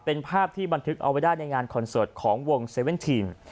เป็นภาพที่บันทึกเอาไว้ได้ในงานคอนเสิร์ตของวงเว่นทีน